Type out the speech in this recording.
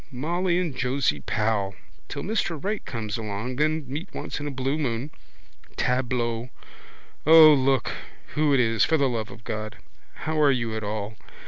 Molly and Josie Powell. Till Mr Right comes along, then meet once in a blue moon. Tableau! O, look who it is for the love of God! How are you at all?